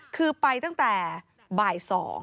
คือไปตั้งแต่บ่าย๒